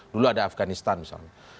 dulu ada afganistan misalnya